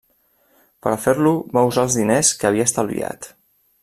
Per a fer-lo va usar els diners que havia estalviat.